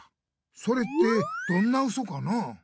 それってどんなウソかな？